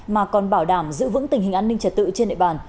mà còn bảo đảm giữ vững tình hình an ninh trật tự trên địa bàn